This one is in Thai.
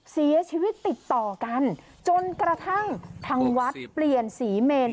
เสียชีวิตติดต่อกันจนกระทั่งทางวัดเปลี่ยนสีเมน